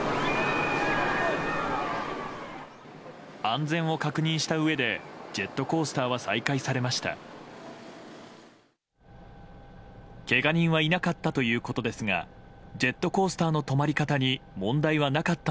安全を確認したうえでジェットコースターは再開されました。